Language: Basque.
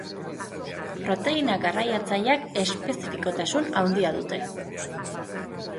Proteina garraiatzaileak espezifikotasun handia dute.